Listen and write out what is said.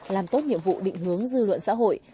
làm tốt nhiệm vụ định hướng dư luận xã hội